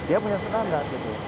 dia punya standar